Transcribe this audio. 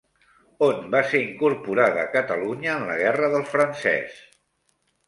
On va ser incorporada Catalunya en la guerra del Francès?